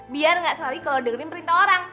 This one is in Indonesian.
biar gak selalu kalo dengerin perintah orang